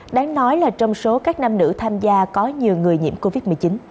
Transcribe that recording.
đáng nói là trong số các nam nữ tham gia có nhiều người nhiễm covid một mươi chín